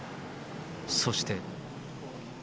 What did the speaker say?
そして。